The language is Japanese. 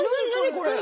これ。